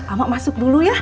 amak masuk dulu ya